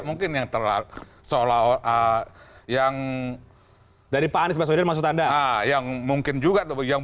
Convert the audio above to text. mungkin yang terlalu seolah olah yang dari pak anies baswedan maksud anda yang mungkin juga yang